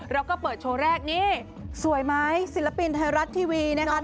แล้วก็เปิดโชว์แรกนี่สวยไหมศิลปินไทยรัฐทีวีนำพี่มาโดด